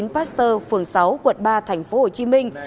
pasteur phường sáu quận ba tp hcm